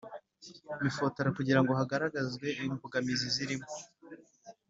Mifotra kugira ngo hagaragazwe imbogamizi zirimo